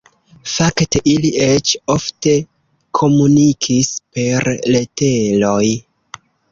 Fakte, ili eĉ ofte komunikis per leteroj.